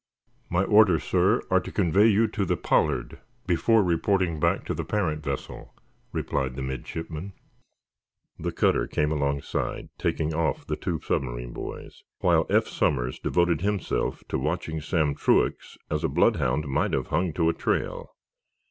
"My orders, sir, are to convey you to the 'Pollard' before reporting back to the parent vessel," replied the midshipman. The cutter came alongside, taking off the two submarine boys, while Eph Somers devoted himself to watching Sam Truax as a bloodhound might have hung to a trail.